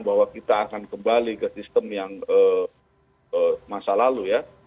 bahwa kita akan kembali ke sistem yang masa lalu ya